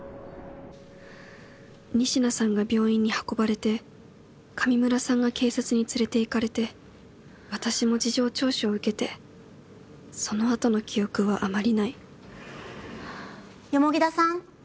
仁科さんが病院に運ばれて上村さんが警察に連れていかれて私も事情聴取を受けてその後の記憶はあまりない田さん。